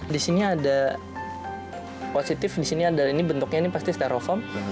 di sini ada positif di sini ada ini bentuknya ini pasti steroform